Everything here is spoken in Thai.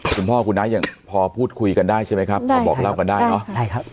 คุณพ่อคุณน้ายังพอพูดคุยกันได้ใช่ไหมครับพอบอกเล่ากันได้เนอะใช่ครับ